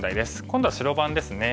今度は白番ですね。